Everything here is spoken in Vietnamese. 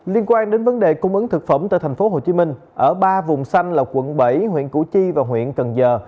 liên quan đến vấn đề cung ứng thực phẩm tại tp hcm ở ba vùng xanh là quận bảy huyện củ chi và huyện cần giờ